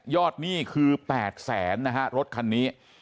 หนี้คือ๘แสนนะฮะรถคันนี้